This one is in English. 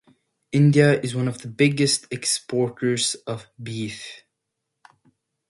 India is one of the biggest exporters of beef.